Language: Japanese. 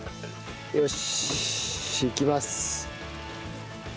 よしいきます。